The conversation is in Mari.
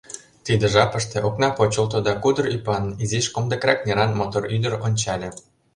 Тиде жапыште окна почылто да кудыр ӱпан, изиш комдыкрак неран мотор ӱдыр ончале.